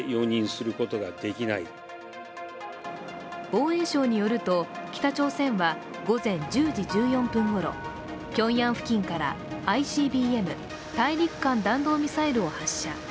防衛省によると、北朝鮮は午前１０時１４分ごろ、ピョンヤン付近からＩＣＢＭ＝大陸間弾道ミサイルを発射。